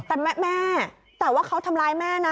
แต่แม่แต่ว่าเขาทำร้ายแม่นะ